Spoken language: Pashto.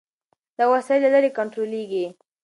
دا وسایل له لرې کنټرولېږي.